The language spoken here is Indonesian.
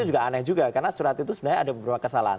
itu juga aneh juga karena surat itu sebenarnya ada beberapa kesalahan